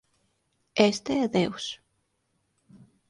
Este é Deus.